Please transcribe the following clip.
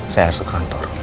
saya harus ke kantor